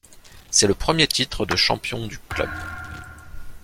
C’est le premier titre de champion du club.